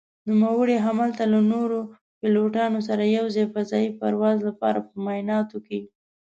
نوموړي هملته له نورو پيلوټانو سره يو ځاى فضايي پرواز لپاره په معايناتو کې